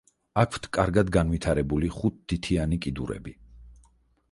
აქვთ კარგად განვითარებული ხუთთითიანი კიდურები.